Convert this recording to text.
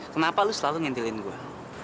kenapa lu selalu ngintilin gue